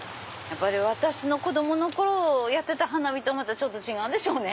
私の子供の頃やってた花火とはちょっと違うんでしょうね。